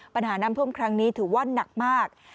ปัญหาน้ำท่วมครั้งนี้ถือว่านักมาก